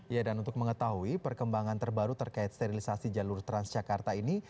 ya dan untuk mengetahui perkembangan terbaru terkait sterilisasi jalur transjakarta ini